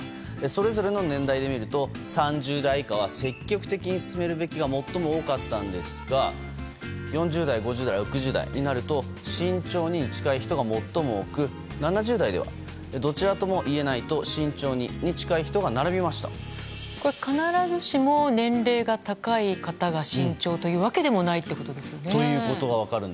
それぞれの年代で見ると３０代以下は積極的に進めるべきが最も多かったんですが４０代、５０代、６０代になると慎重にに近い人が最も多く７０代ではどちらとも言えないと慎重に近い人が必ずしも、年齢が高い方が慎重というわけでもないということですね。